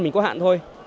mình có hạn thôi